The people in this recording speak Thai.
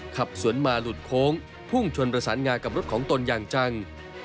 ขับสวนมาหลุดโค้งพุ่งชนประสานงากับรถของตนอย่างจัง